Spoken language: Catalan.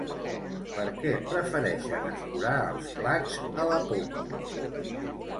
Per què prefereixen escurar els plats a la popa?